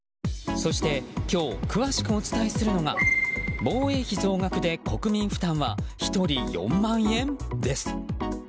そして今日詳しくお伝えするのが防衛費増額で国民負担は１人４万円？です。